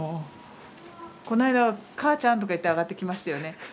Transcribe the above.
この間母ちゃんとか言って上がってきましたよね。